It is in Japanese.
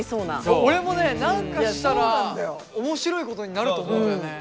俺もね何かしたら面白いことになると思うんだよね。